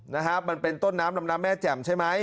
นะฮะมันเป็นต้นน้ำลำน้ำแม่แจ่มใช่ไหม